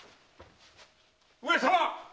上様！